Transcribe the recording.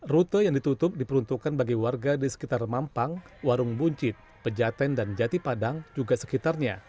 rute yang ditutup diperuntukkan bagi warga di sekitar mampang warung buncit pejaten dan jati padang juga sekitarnya